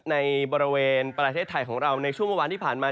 ในบริเวณประเทศไทยของเราในช่วงเมื่อวานที่ผ่านมา